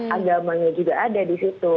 agamanya juga ada di situ